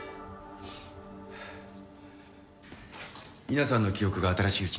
皆さんの記憶が新しいうちに。